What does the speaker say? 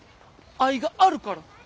愛があるから。